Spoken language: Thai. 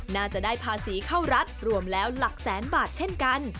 น่าจะได้ภาษีเข้ารัฐรวมแล้วหลักแสนบาทเช่นกัน